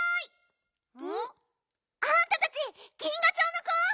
ん？あんたたち銀河町の子？